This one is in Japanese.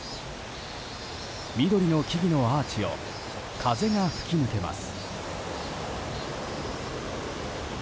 緑の木々のアーチを風が吹き抜けます。